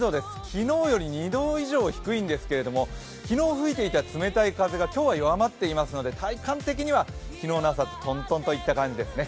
昨日より２度以上低いんですけれども、昨日吹いていた冷たい風が今日は弱まっていますので、体感的には昨日の朝ととんとんといった感じですね。